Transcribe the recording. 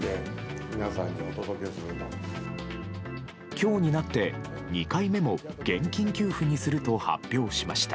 今日になって２回目も現金給付にすると発表しました。